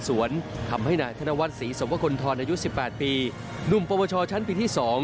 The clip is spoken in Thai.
ว่าคนทอนอายุ๑๘ปีหนุ่มประวัติศาสตร์ชั้นปีที่๒